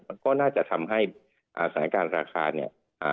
มันก็น่าจะทำให้อ่าสถานการณ์ราคาเนี่ยอ่า